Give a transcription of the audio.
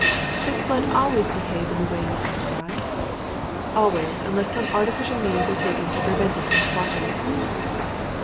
"Does blood always behave in the way you have described?" "Always, unless some artificial means are taken to prevent it from clotting."